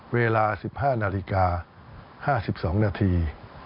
เวลา๑๕นาฬิกา๕๒นาที